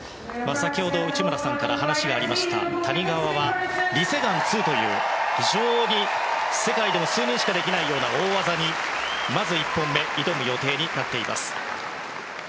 先ほど内村さんから話がありました谷川はリ・セグァン２という非常に、世界でも数人しかできないような大技にまず１本目挑む予定になっています。